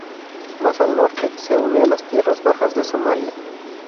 Más al norte, se une a las tierras bajas de Somalia.